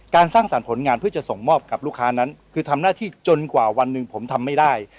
สร้างสรรค์ผลงานเพื่อจะส่งมอบกับลูกค้านั้นคือทำหน้าที่จนกว่าวันหนึ่งผมทำไม่ได้